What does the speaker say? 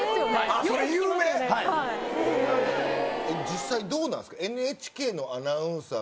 実際どうなんすか？